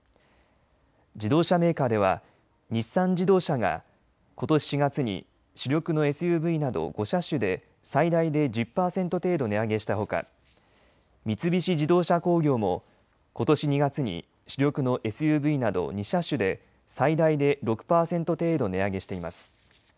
自動車メーカーでは日産自動車がことし４月に主力のＳＵＶなど５車種で最大で１０％程度値上げしたほか三菱自動車工業も、ことし２月に主力のＳＵＶなど２車種で最大で６％程度値上げしています。